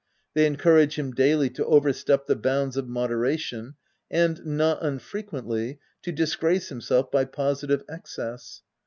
They encourage him daily to overstep the bounds of moderation, and, not unfrequently, to disgrace himself by positive excess.